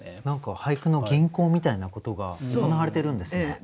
何か俳句の吟行みたいなことが行われてるんですね。